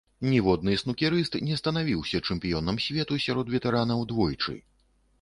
Ніводны снукерыст не станавіўся чэмпіёнам свету сярод ветэранаў двойчы.